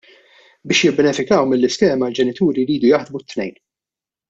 Biex jibbenefikaw mill-iskema l-ġenituri jridu jkunu jaħdmu t-tnejn.